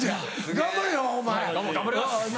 頑張ります！